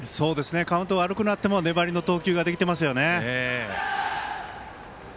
カウント悪くなっても粘りの投球ができていますね。